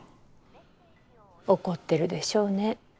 怒ってるでしょうね。